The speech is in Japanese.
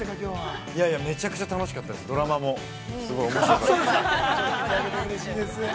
◆めちゃくちゃ楽しかったです。